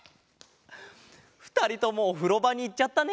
ふたりともおふろばにいっちゃったね。